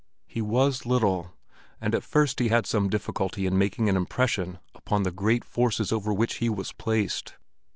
He was little, and at first he had some difficulty in making an impression upon the great forces over which he was placed.